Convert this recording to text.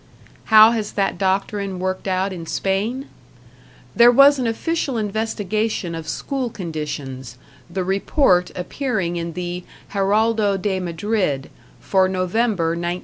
How has that doctrine worked out in Spain? There was an official investigation of school conditions, the report appearing in the "Heraldo de Madrid" for November, 1909.